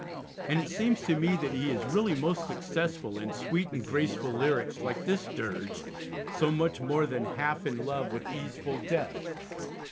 And it seems to me that he is really most successful in sweet and graceful lyrics like this Dirge, so much more than 'half in love with easeful death.'